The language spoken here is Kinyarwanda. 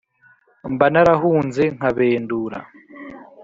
Mba narahunze nkabendura